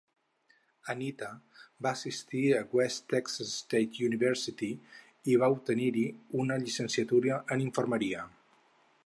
Anita va assistir a la West Texas State University i va obtenir-hi una llicenciatura en infermeria.